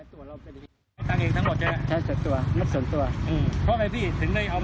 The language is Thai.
แต่อย่างนั้นเป็นอย่างไรบ้างพี่รถที่ออกมานี่